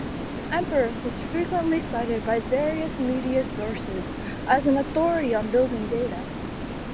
Emporis is frequently cited by various media sources as an authority on building data.